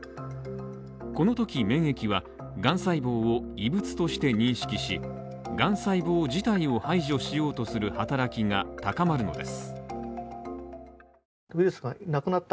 このとき免疫は癌細胞を異物として認識し、がん細胞自体を排除しようとする働きが高まるのです。